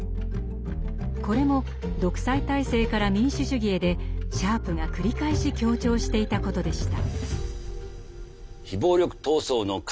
これも「独裁体制から民主主義へ」でシャープが繰り返し強調していたことでした。